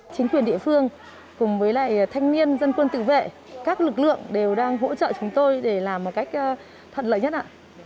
chính quyền địa phương cùng với lại thanh niên dân quân tự vệ các lực lượng đều đang hỗ trợ chúng tôi để làm một cách thận lợi nhất ạ